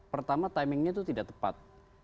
pertama timingnya itu tidak tepat